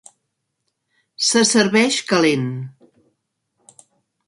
Se serveix calent.